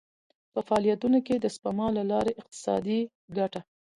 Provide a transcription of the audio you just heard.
په فعالیتونو کې د سپما له لارې اقتصادي ګټه.